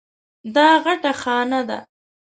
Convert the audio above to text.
دا غټه خانه ده.